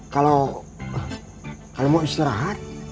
kalau kalau mau istirahat